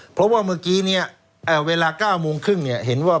เพราะว่าเมื่อกี้เนี่ยเวลา๙โมงครึ่งเนี่ยเห็นว่า